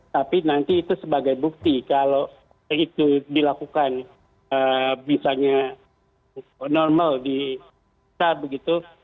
tapi nanti itu sebagai bukti kalau itu dilakukan misalnya normal di kita begitu